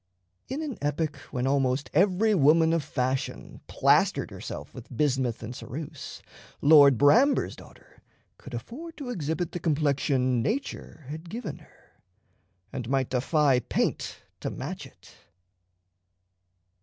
In an epoch when almost every woman of fashion plastered herself with bismuth and ceruse, Lord Bramber's daughter could afford to exhibit the complexion nature had given her, and might defy paint to match it.